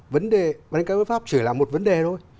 vấn đề bán cáo bất pháp chỉ là một vấn đề thôi